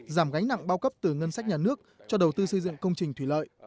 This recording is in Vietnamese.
giảm gánh nặng bao cấp từ ngân sách nhà nước cho đầu tư xây dựng công trình thủy lợi